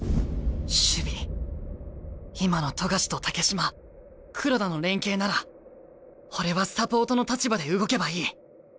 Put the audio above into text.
今の冨樫と竹島黒田の連係なら俺はサポートの立場で動けばいい。